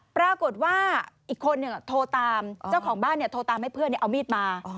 ปรากฏว่าอีกคนหนึ่งโทรตามเจ้าของบ้านโทรตามให้เพื่อนเอามีดมา